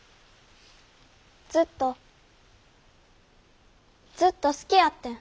ずっとずっと好きやってん。